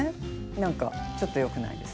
なんかちょっとよくないですか？